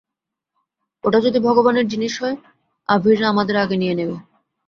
ওটা যদি ভগবানের জিনিস হয়, আভীররা আমাদের আগে নিয়ে নেবে।